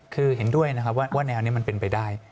คือเห็นด้วยนะครับว่าแนวนี้มันเป็นไปได้